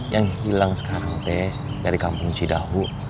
yang hilang sekarang teh dari kampung cidahu